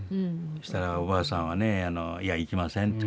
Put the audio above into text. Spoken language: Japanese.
そしたらおばあさんはね「いや行きません」